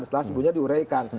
setelah sebutnya diureikan